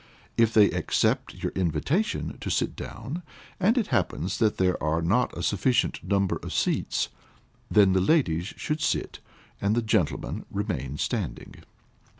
If they accept your invitation to sit down, and it happens that there are not a sufficient number of seats, then the ladies should sit, and the gentlemen remain standing.